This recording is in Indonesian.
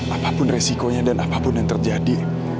apapun resikonya dan apapun yang terjadi